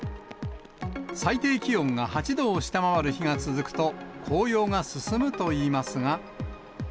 最低気温が８度を下回る日が続くと、紅葉が進むといいますが。